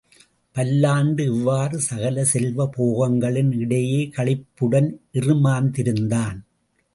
பல்லாண்டு இவ்வாறு சகல செல்வ போகங்களின் இடையே களிப்புடன் இறுமாந்திருந்தான்.